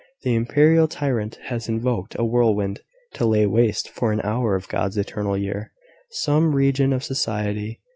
The imperial tyrant has invoked a whirlwind, to lay waste, for an hour of God's eternal year, some region of society.